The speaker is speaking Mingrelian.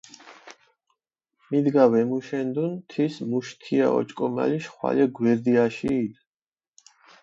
მიდგა ვემუშენდუნ, თის მუშ თია ოჭკომალიშ ხვალე გვერდი აშიიდჷ.